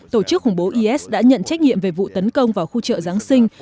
tổ chức khủng bố is đã nhận trách nhiệm về vụ tấn công vào khu chợ giáng sinh